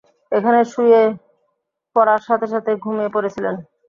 এখানে এসে শুয়ে পরার সাথে সাথেই ঘুমিয়ে পরেছিলেন!